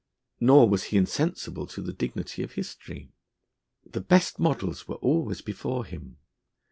Nor was he insensible to the dignity of history. The best models were always before him.